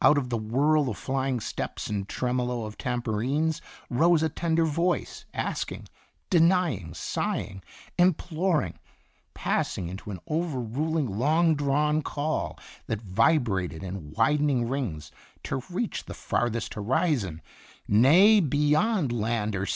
Out of the whirl of flying steps and tremolo of tambourines rose a tender voice, asking, denying, sighing, implor ing, passing into an over ruling, long drawn call that vibrated in widening rings to reach the farthest horizon nay, beyond land or